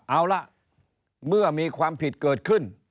เอาล่ะเมื่อมีความผิดเกิดขึ้น